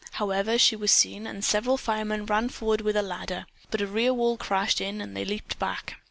However, she was seen, and several firemen ran forward with a ladder, but a rear wall crashed in and they leaped back.